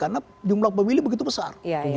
karena jumlah pemilih begitu besar